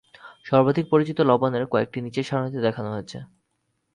সর্বাধিক পরিচিত লবণের কয়েকটি নিচের সারণীতে দেখানো হয়েছে।